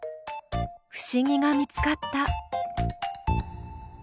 不思議が見つかった。